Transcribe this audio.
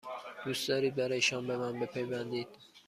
دوست دارید برای شام به من بپیوندید؟